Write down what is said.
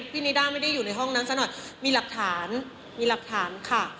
นิด้าไม่ได้อยู่ในห้องนั้นซะหน่อยมีหลักฐานมีหลักฐานค่ะ